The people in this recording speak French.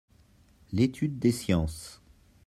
L'étude des sciences.